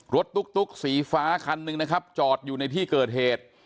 ตุ๊กสีฟ้าคันหนึ่งนะครับจอดอยู่ในที่เกิดเหตุ